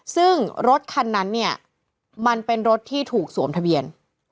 ซึ่งรถคันนั้นเนี่ยมันเป็นรถที่ถูกสวมทะเบียน